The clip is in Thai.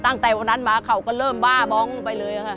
ตั้งแต่วันนั้นมาเขาก็เริ่มบ้าบ้องไปเลยค่ะ